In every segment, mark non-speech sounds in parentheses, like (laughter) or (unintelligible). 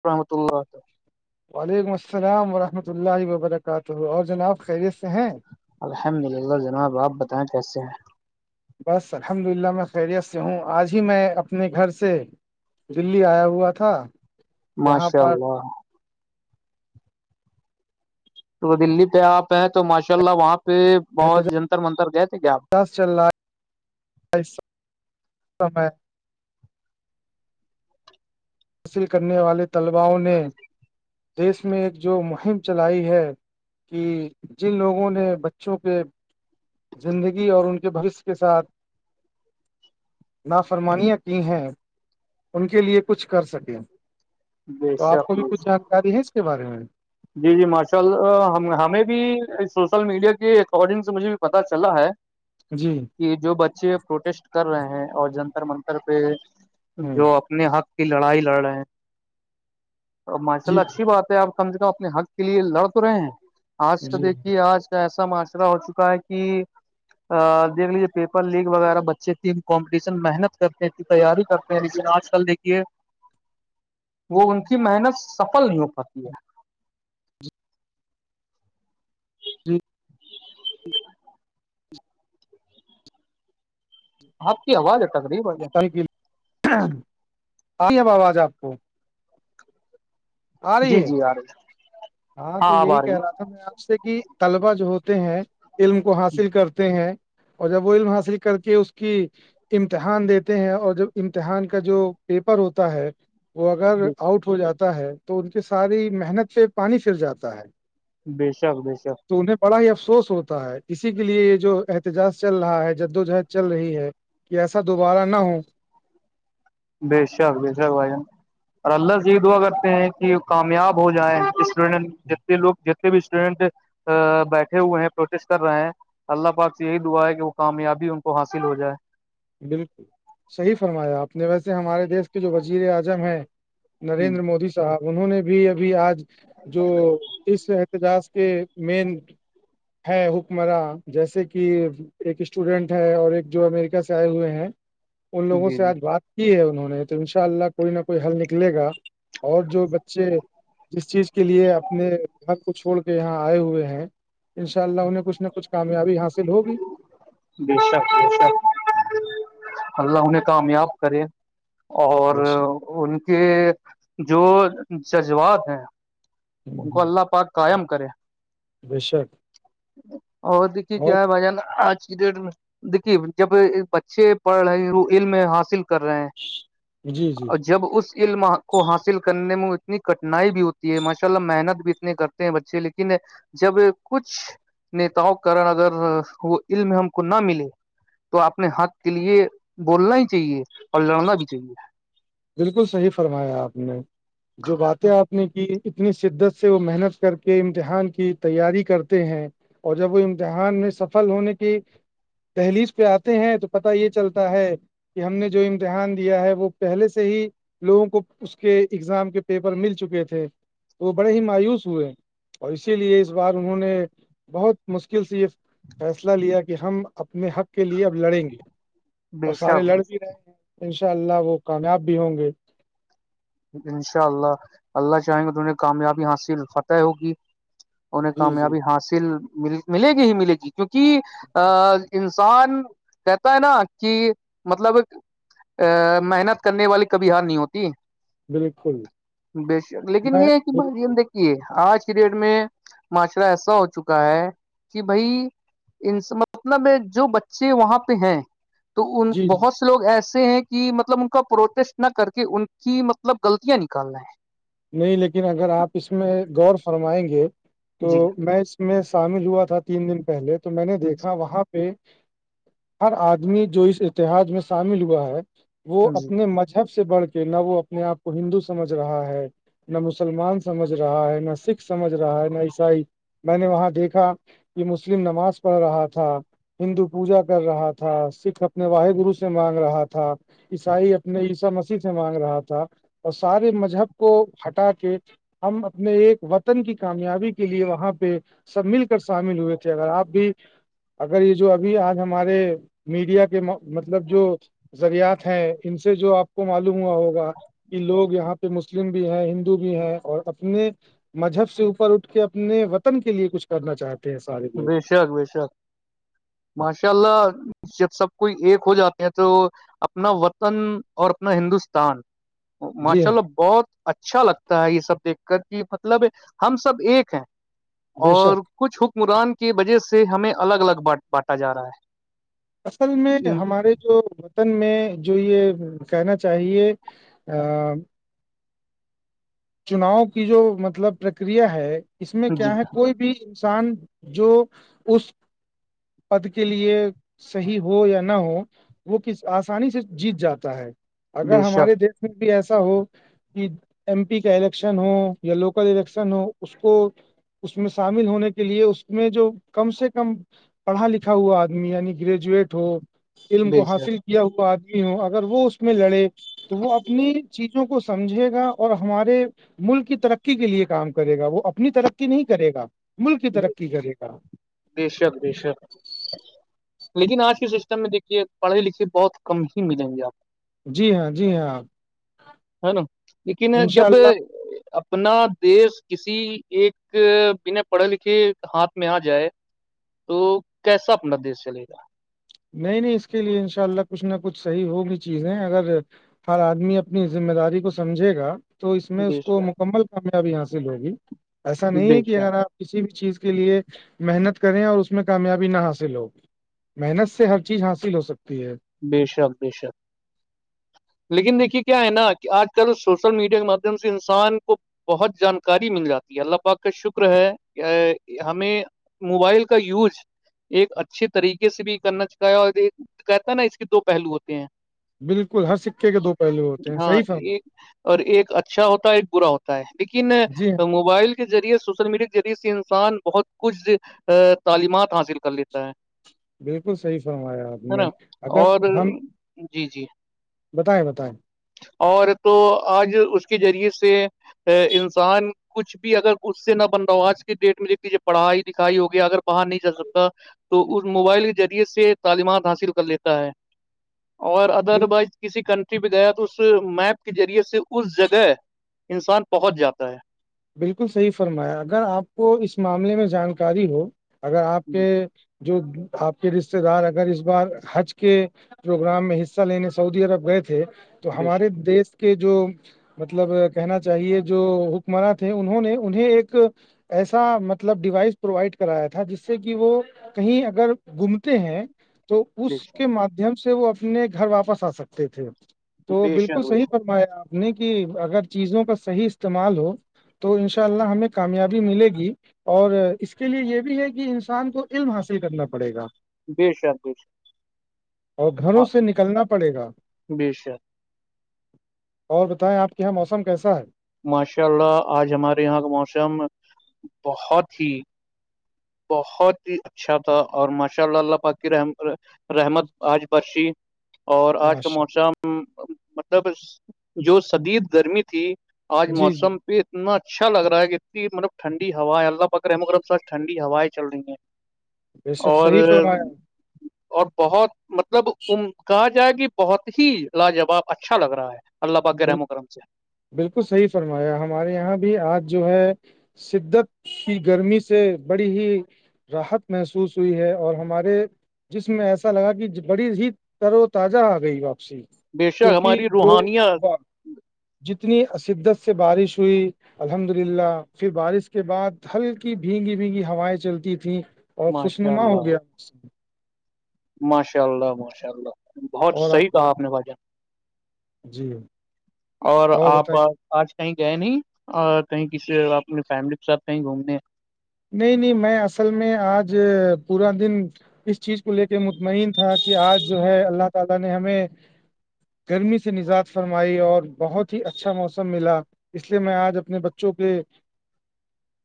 وورحمتۃ اللہ وعلیکم السلام ورحمۃ اللہ وبرکاتہ اور جناب خیریت سے ہیں الحمد للہ جناب آپ بتائیں کیسے ہیں بس الحمد للہ میں خیریت سے ہوں آج ہی میں اپنے گھر سے دلی آیا ہوا تھا یہاں ماشاء پر اللہ تو وہ دلی پہ آپ ہیں تو ماشاء اللہ وہاں پہ بہت جنتر منتر گئے تھے کیا آپ دس چلہ سے حاصل کرنے والے طلباؤوں نے دیش میں ایک جو مہم چلائی ہے کہ جن لوگوں نے بچوں کے زندگی اور ان کے بھوشیہ کے ساتھ نافرمانیاں کی ہیں ان کے لیے کچھ کر سکیں بے تو آپ کو شک بھی بے کچھ شک جانکاری ہے اس کے بارے میں جی جی ماشاء اللہ ہمیں بھی سوشل میڈیا کے اکارڈنگ سے مجھے بھی پتا چلا ہے جی کہ جو بچے پروٹیسٹ کر رہے ہیں اور جنتر منتر پہ ہ جو اپنے حق کی لڑائی لڑ رہے ہیں ماشاء جی اللہ اچھی بات ہے اپ کم سے کم اپنے حق کے لیے لڑ تو رہے ہیں آج کا جی دیکھیے آج کا ایسا معاشرہ ہو چکا ہے کہ دیکھ لیجیے پیپر لیگ وغیرہ بچے تھی کمپٹیشن محنت کرتے تھی تیاری کرتے ہیں لیکن آج کل دیکھیے وہ ان کی محنت سفل نہیں ہو پاتی ہے جی اپ کی اواز اٹک رہی ہے بھائی جان آ ہے باب آج آپ کو آ جی رہی ہے جی آ رہے ہاں تو یہی کہہ رہا تھا میں آپ سے کہ طلبا جو ہوتے ہیں علم کو حاصل کرتے ہیں اور جب وہ علم حاصل کر کے اس کی امتحان دیتے ہیں اور جب امتحان کا جو پیپر ہوتا ہے وہ اگر آؤٹ ہو جاتا ہے تو ان کے ساری محنت پہ پانی پھر جاتا ہے بے شک ب شک تو انہیں بڑا ہی افسوس ہوتا ہے اسی کے لیے یہ جو احتجاج چل رہا ہے جدوجہد چل رہی ہے کہ ایسا دوبارہ نہ ہو بے شک بے شک بھائی جان اور اللہ سےید دعا کرتے ہیں کہ کامیاب ہو جائےیں اس اسٹوڈنٹ جنے لوگ جتنے بھی اسٹوڈینٹ بیٹھے ہوئے ہیں پروٹیسٹ کر رہے ہیں اللہ پاک سے یہی دعا ہے کہ وہ کامیابی ان کو حاصل ہو جائے بالکل صحیح فرمایا آپ نے ویسے ہمارے دیس کے جو وزیر اعظم ہیں نریندر مودی صاحب انہوں نے بھی ابھی آج جو اس احتجاج کے مین ہے حکمراں جیسے کہ ایک اسٹوڈینٹ ہے اور ایک جو امریکہ سے آئے ہوئے ہیں ان لوگوں جی سے جی آج بات کی ہے انہوں نے تو ان شاء اللہ کوئی نہ کوئی حل نکلے گا اور جو بچے جس چیز کے لیے اپنے گھر کو چھوڑ کے یہاں آئے ہوئے ہیں انشاء اللہ انہیں کچھ نہ کچھ کامیابی حاصل ہوگی بے شک بے شک ہی (unintelligible) اللہ انہیں کامیاب کرے اور بے شک ان کے جو جذبات ہیں ان کو اللہ پاک قائم کرے ب شک اور دیکھیے اور کیا ہے بھائی جان آج دیکھیے جب بچے پڑھ رہے علم حاصل کر رہے ہیں جی جی اور جب اس علم کو حاصل کرنے میں اتنی کٹھنائی بھی ہوتی ہے ماشاء اللہ محنت بھی اتنے کرتے ہیں بچے لیکن جب کچھ نیتاؤں کے کن اگر وہ علم ہم کو نہ ملے تو اپنے ہات کے لیے بولنا ہی چاہیے اور لڑنا بھی چاہیے بالکل صحیح فرمایا آپ نے جو باتیں آپ نے کی اتنی شدت سے وہ محنت کر کے امتحان کی تیاری کرتے ہیں اور جب وہ امتحان میں سفل ہونے کی تحلیز پہ آتے ہیں تو پتا یہ چلتا ہے کہ ہم نے جو امتحان دیا ہے وہ پہلے سے ہی لوگوں کو اس کے ایگزام کے پیپر مل چکے تھے تو وہ بڑے ہی مایوس ہوئے اور اسی لیے اس بار انہوں نے بہت مشکل سے یہ فیصلہ لیا کہ ہم اپنے حق کے لیے اب لڑیں گے بے اور سارے لڑ شک بھی رہیں گے ان شاء اللہ وہ کامیاب بھی ہوں گے انشاء اللہ اللہ چاہیں گے تہیں کامیابی حاصل فتح ہوگی انہیں جی جی کامیابی حاصل ملے گی ہی ملے گی کیونکہ ا انسان کہتا ہے نا کہ مطلب ا محنت کرنے والی کبھی ہار نہیں ہوتی بالکل بے شک لیکن میں یہ ہے کہ بھائی بالکل ہم دیک یہ آج کی ڈیٹ میں معاشرہ ایسا ہو چکا ہے کہ بھائی ان مطلب جو بچے وہاں پہ ہیں تو ان جی جی بہت سے لوگ ایسے ہیں کہ مطلب ان کا پروٹیسٹ نہ کر کے ان کی مطلب مطلب غلطں نکالنا ہے نہیں لیکن اگر آپ اس میں غور فرمائیں گے ہے تو جی میں اس میں شامل ہوا تھا تین دن پہلے تو میں نے دیکھا وہاں پہ ہر آدمی جو اس اتحاد میں شامل ہوا ہے وہ جی اپنے مذہب سے بڑھ کے نہ وہ اپنے آپ کو ہندو سمجھ رہا ہے نہ مسلمان سمجھ رہا ہے نہ سکھ سمجھ رہا ہے نہ عیسائی میں نے وہاں دیکھا یہ مسلم نماز پڑھ رہا تھا ہندو پوجا کر رہا تھا سکھ اپنے واح گرو سے مانگ رہا تھا عیسائی اپنے عیسا مسیح سے مانگ رہا تھا اور سارے مذہب کو ہٹا کے ہم اپنے ایک وطن کی کامیابی کے لیے وہاں پہ سب مل کر شامل ہوئے تھے اگر آپ بھی اگر یہ جو ابھی آج ہمارے میڈیا کے مطلب جو ذریات ہیں ان سے جو آپ کو معلوم ہوا ہوگا کہ لوگ یہاں پہ م مسلم بھی ہے ہندو بھی ہے اور اپنے مذہب سے اوپر اٹھ کے اپنے وطن کے لیے کچھ کرنا چاہتے ہیں سارے ب لوگ شک ب شک ماشاء اللہ جب سب کوئی ایک ہو جاتے ہیں تو اپنا وطن اور اپنا ہندوستان جی ماشاء ہاں اللہ بہت اچھا لگتا ہے یہ سب دیکھ کر کہ مطلب ہم سب ایک ہیں بے اور شک کچھ حکمران کی وجہ سے ہمیں الگ الگ بانٹا جا رہا ہے اصل میں ان- ہمارے جو ن میں جو یہ کہنا چاہیے چناؤ کی جو مطلب پرکریا ہے اس میں جی کیا ہے کوئی بھی انسان جو اس پد کے لیے صحیح ہو یا نہ ہو وہ کس آسانی سے جیت جاتا ہے اگر بے ہمارے شک دیش میں بھی ایسا ہو کہ ایم پی کا الیکشن ہو یا لوکل الیکشن ہو اس کو اس میں شامل ہونے کے لیے اس میں جو کم سے کم پڑھا لکھا ہوا آدمی یعنی گریجویٹ ہو علم کو بے شک حاصل کیا ہوا آدمی ہو اگر وہ اس میں لڑے تو وہ اپنی چیزوں کو سمجھے گا اور ہمارے ملک کی ترقی کے لیے کام کرے گا وہ اپنی ترقی نہیں کرے گا ملک کی ترقی کرے گا دیشت دیشک لیکن آج کے سسٹم میں دیکھیے پڑھے لکھے بہت کم ہی ملیں گے آپ کو جی ہاں جی ہاں آپ ہے نا لیکن جب اپ اپنا دیس کسی ایک بنا پڑھے لکھے ہاتھ میں آ جائے تو کیسا اپنا دیش چلے گا نہیں نہیں اس کے لیے ان شاء اللہ کچھ نہ کچھ صحیح ہوگی چیزیں اگر ہر آدمی اپنی ذمہ داری کو سمجھے گا تو اس میں بے اس کو شک مکمل کامیابی حاصل ہوگی ایسا نہیں بے ہے کہ اگر شک آپ کسی بھی چیز کے لیے محنت کریں اور اس میں کامیابی نہ حاصل ہو محنت سے سے ہر چیز حاصل ہو سکتی ہے بے شک بے شک لیکن دیکھیے کیا ہے نا کہ آج کل سوشل میڈیا کے مادھیم سے انسان کو بہت جانکاری مل جاتی ہے اللہ پاک کا شکر ہے ہمیں موبائل کا یوز ایک اچھے طریقے سے بھی کرنا چاہے اور ایک نا نا اس کے دو پہلو ہوتے ہیں بالکل ہر سکے کے دو پہلو ہوتے ہیں ہاں صحیح فرما ایک اور ایک اچھا ہوتا ہے ایک برا ہوتا ہے لیکن جی ہاں موبائل کے ذریعے سوشل میڈیا کے ذریعے سے انسان بہت کچھ تعلیمات حاصل کر لیتا ہے بالکل صحیح فرمایا آپ ہے نا نے اور اگر ہم جی جی بتائیں بتائیں اور تو آج اس کے ذریعے سے انسان کچھ بھی اگر اس سے نہ بن رہا ہو آج کے ڈیٹ میں دیکھ لیجیے پڑھائی لکھائی ہوگیا اگر باہر نہیں جا سکتا تو اس موبائل کے ذریعے سے تعلیمات حاصل کر لیتا تا ہے اور ادر وائز کسی کنٹ کی بغیر اس میپ کے ذریعے سے اس جگہ انسان پہنچ جاتا ہے بالکل صحیح فرمایا اگر آپ کو اس معاملے میں جانکاری ہو اگر آپ جی کے جو آپ کے رشتے دار اگر اس بار حج کے پروگرام میں حصہ لینے سعودی عرب گئے تھے تو بے ہمارے شک دیس کے جو مطلب کہنا چاہیے جو جماعت ہے انہوں نے انہیں ایک ایسا مطلب ڈیوائس پرووائڈ کرایا تھا جس سے کہ وہ کہیں اگر گھومتے ہیں تو اس بے کے شک مادھیم سے وہ اپنے گھر واپس آ سکتے تھے تو بے بالکل شک بے صحیح شک فرمایا آپ نے کہ اگر چیزوں کا صحیح استعمال ہو تو ان شاء اللہ ہمیں کامیابی ملے گی اور اس کے لیے یہ بھی ہے کہ انسان کو علم حاصل کرنا پڑے گا بے شک بے شک اور گھروں ہاں، سے نکلنا پڑے گا بے شک اور بتائیں آپ کے یہاں موسم کیسا ہے ماشاء اللہ آج ہمارے یہاں کا موسم بہت ہی بہت ہی اچھا تھا اور ماشاء اللہ اللہ پاک کی رحم رحمت آج برشی اور آج کا ماشاء موسم مطلب جو شدید گرمی تھی آج اللہ جی جی موسم پہ اتنا اچھا لگ رہا ہے کہ اتنی مطلب ٹھنڈی ہوا ہے اللہ پاک کے رحمو کرم سے ٹھنڈی ڈی ہوائیں چل رہی ہیں بے شک اور صحیح فرمایا اور بہت مطلب ام کہا جائے کہ بہت ہی لاجواب اچھا لگ رہا ہے اللہ پاک کے بال- رحمو کرم سے بالکل صحیح فرمایا ہمارے یہاں بھی آج جو ہے شدت کی گرمی سے بڑی ہی راحت محسوس ہوئی ہے اور ہمارے جسم میں ایسا لگا کہ بڑی ہی تر و تازہ آ گئی ہو واپسی بے شک ہماری کیونکہ جو روحانیت جتنی شدت سے بارش ہوئی الحمد للہ پھر بارش کے بعد ہلکی بھینگی بھیگی ہوائیں چلتی تھیں اور ماشاء خوشنما ہو اللہ گیا ماشاء اللہ ماشاء اللہ بہت اور صحیح کہا بتائیں آپ نے بھائی جان جی اور آپ آج کہیں گئے نہیں اور کہیں کسی اور اپنی فیملی کے ساتھ کہیں گھومنے نہیں نہیں میں اصل میں آج پورا دن اس چیز کو لے کے مطمئن تھا کہ آج جو ہے اللہ تعالی نے ہمیں گرمی سے نجات فرمائی اور بہت ہی اچھا موسم ملا اس لیے میں آج اپنے بچوں کے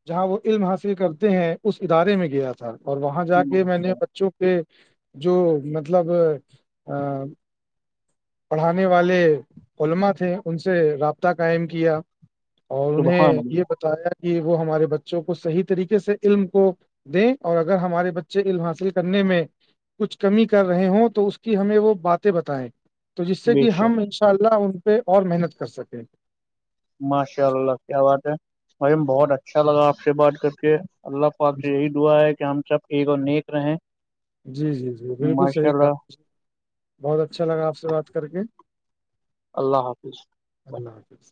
جہاں وہ علم حاصل کرتے ہیں اس ادارے میں گیا تھا اور وہاں جا کے میں نے ماشاء- بچوں کےہ جو مطلب ا (inaudible) پڑھانے والے علماء تھے ان سے رابطہ قائم کیا اور سبحان انہیں یہ اللہ بتایا کہ وہ ہمارے بچوں کو صحیح طریقے سے علم کو دیں اور اگر ہمارے بچے علم حاصل کرنے میں کچھ کمی کر رہے ہوں تو اس کی ہمیں وہ باتیں بتیں تو جس سے بے کہ ہم شک ان شاء اللہ ان پہ اور محنت کر سکیں ماشاء اللہ کیا بات ہے مھ بہت اچھا لگا آپ سے بات کر کے اللہ پاک سے جی یہی دعا ہے کہ ہم سب ایک اور نیک رہے جی جی جی بالکل صحیح کہ بہت اچھا لگا آپ سے بات کر کے اللہ حافظ اللہ حافظ